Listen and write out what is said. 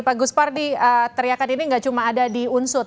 pak gus pardi teriakan ini nggak cuma ada di unsut